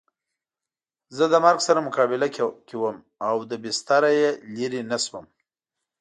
زه له مرګ سره مقابله کې وم او له بستره یې لرې نه شوم.